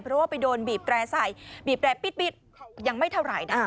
เพราะว่าไปโดนบีบแตร่ใส่บีบแร่ปิดยังไม่เท่าไหร่นะ